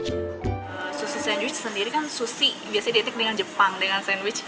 sushi sandwich sendiri kan sushi biasa identik dengan jepang dengan sandwich